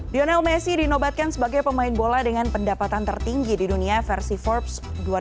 lionel messi dinobatkan sebagai pemain bola dengan pendapatan tertinggi di dunia versi forbes dua ribu enam belas